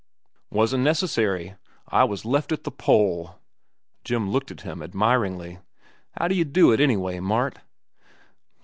"Wasn't necessary. I was left at the pole." Jim looked at him admiringly. "How d'ye do it, anyway, Mart?"